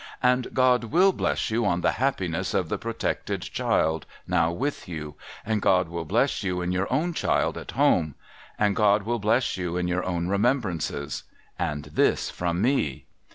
'And God will bless you in the happiness of the protected child now with you. And God will bless you in your own child at home. And God will bless you in your own remembrances. And this from me